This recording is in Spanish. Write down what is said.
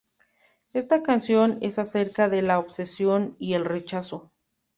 Esta canción es acerca de la obsesión y el rechazo.